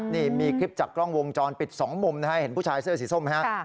นี่มีคลิปจากกล้องวงจรปิด๒มุมนะฮะเห็นผู้ชายเสื้อสีส้มไหมฮะ